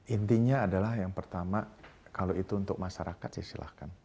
intinya adalah yang pertama kalau itu untuk masyarakat ya silahkan